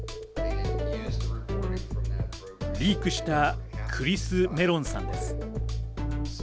リークしたクリス・メロンさんです。